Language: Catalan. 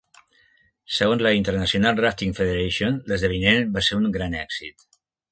Segons la International Rafting Federation, l"esdeveniment va ser un gran èxit.